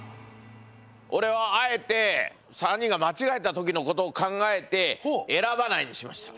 俺はあえて３人が間違えた時のことを考えて選ばないにしました。